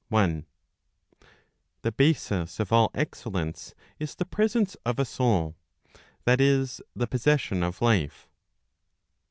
(i). The basis of all excellence is the presence of a soul, that is, the possession of life.